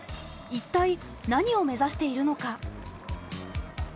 一体なにを目指しているのか。